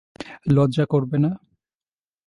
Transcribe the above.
লজ্জা করবে না?